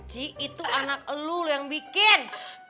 cik itu anak lu yang bikin